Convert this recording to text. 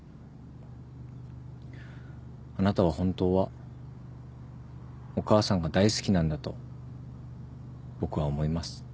あなたは本当はお母さんが大好きなんだと僕は思います。